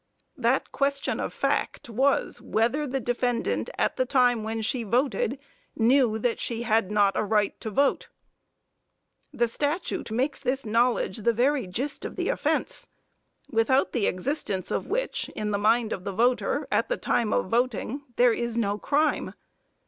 That question of fact was, whether the defendant, at the time when she voted, knew that she had not a right to vote. The statute makes this knowledge the very gist of the offence, without the existence of which, in the mind of the voter, at the time of voting, there is no crime.